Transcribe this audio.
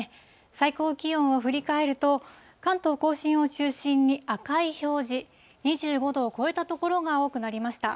最高気温を振り返ると、関東甲信を中心に、赤い表示、２５度を超えた所が多くなりました。